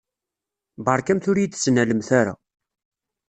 Beṛkamt ur yi-d-ttnalemt ara.